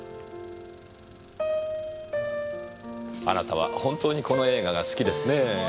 あなたは本当にこの映画が好きですねぇ。